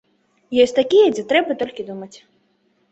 Ёсць такія, дзе трэба толькі думаць.